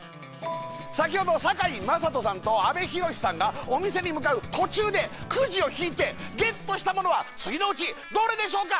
先ほど堺雅人さんと阿部寛さんがお店に向かう途中でくじを引いてゲットしたものは次のうちどれでしょうか？